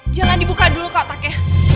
jangan dibuka dulu kotaknya